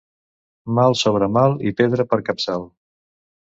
Mal sobre mal i pedra per capçal.